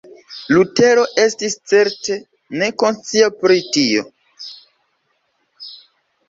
Lutero estis certe ne konscia pri tio.